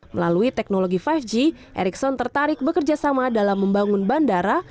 melalui teknologi lima g ericson tertarik bekerjasama dalam membangun bandara